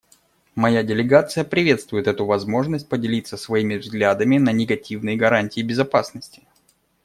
Моя делегация приветствует эту возможность поделиться своими взглядами на негативные гарантии безопасности.